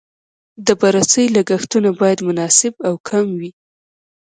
د بررسۍ لګښتونه باید مناسب او کم وي.